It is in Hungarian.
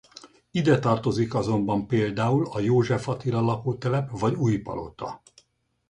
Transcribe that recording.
Ide tartozik azonban például a József Attila lakótelep vagy Újpalota.